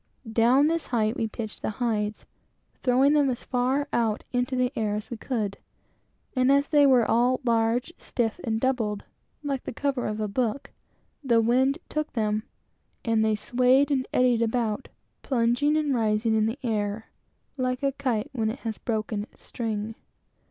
Down this height we pitched the hides, throwing them as far out into the air as we could; and as they were all large, stiff, and doubled, like the cover of a book, the wind took them, and they swayed and eddied about, plunging and rising in the air, like a kite when it has broken its string.